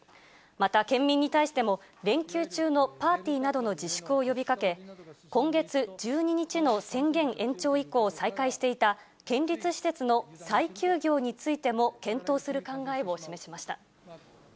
また、県民に対しても連休中のパーティーなどの自粛を呼びかけ、今月１２日の宣言延長以降再開していた県立施設の再休業についても、検討する考えを示しました。